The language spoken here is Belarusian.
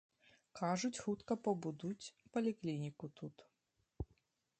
Кажуць, хутка пабудуць паліклініку тут.